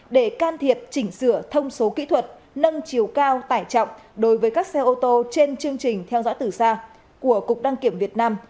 để can thiệp chỉnh sửa thông số kỹ thuật nâng chiều cao tải trọng đối với các xe ô tô trên chương trình theo dõi từ xa của cục đăng kiểm việt nam